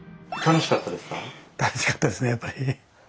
楽しかったですねやっぱり。